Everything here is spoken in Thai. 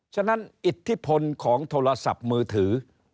ฉะนั้นอิทธิพลของโทรศัพท์มือถือ